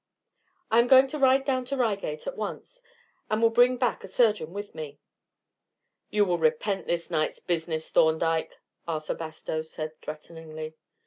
"I am going to ride down to Reigate at once, and will bring back a surgeon with me." "You will repent this night's business, Thorndyke!" Arthur Bastow said threateningly.